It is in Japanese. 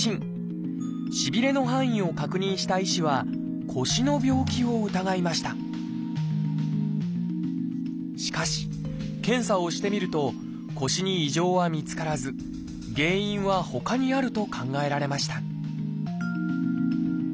しびれの範囲を確認した医師は腰の病気を疑いましたしかし検査をしてみると腰に異常は見つからず原因はほかにあると考えられました